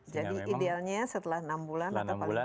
jadi idealnya setelah enam bulan atau paling tidak setelah delapan bulan